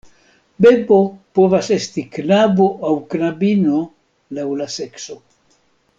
Bebo povas esti knabo aŭ knabino, laŭ la sekso.